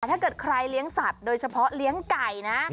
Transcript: ถ้าเกิดใครเลี้ยงสัตว์โดยเฉพาะเลี้ยงไก่นะ